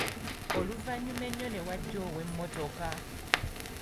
Oluvanyuma ennyo ne wajja ow’emmotoka